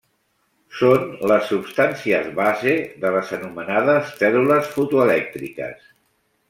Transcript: Són les substàncies base de les anomenades cèl·lules fotoelèctriques.